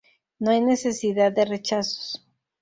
No hay necesidad de rechazos.